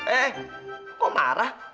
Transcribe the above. eh kok marah